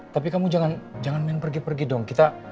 tapi kamu jangan main pergi pergi dong